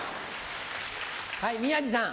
はい宮治さん。